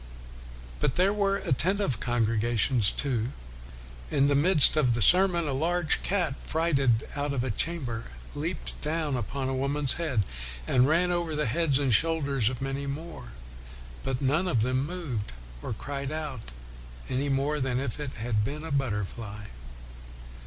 But there were attentive congregations, too. In the midst of the sermon, a large cat, frighted out of a chamber, leaped down upon a woman's head, and ran over the WESLEY 315 heads and shoulders of many more; but none of them moved, or cried out, any more than if it had been a butterfly.''